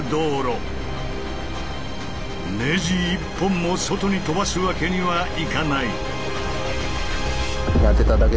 ネジ一本も外に飛ばすわけにはいかない！